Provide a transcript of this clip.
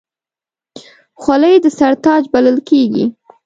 خولۍ د سر تاج بلل کېږي.